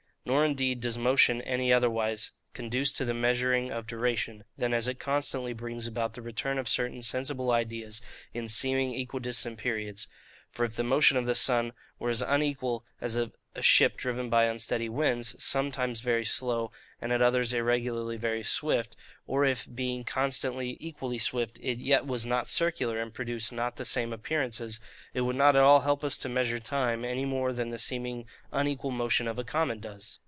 Nor indeed does motion any otherwise conduce to the measuring of duration, than as it constantly brings about the return of certain sensible ideas, in seeming equidistant periods. For if the motion of the sun were as unequal as of a ship driven by unsteady winds, sometimes very slow, and at others irregularly very swift; or if, being constantly equally swift, it yet was not circular, and produced not the same appearances,—it would not at all help us to measure time, any more than the seeming unequal motion of a comet does.